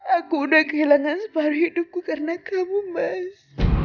aku udah kehilangan separuh hidupku karena kamu mas